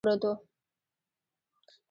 چیني له اکبرجان سره تر څنګ پروت و.